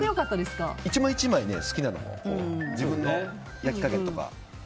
１枚１枚、好きなのを自分の焼き加減とか。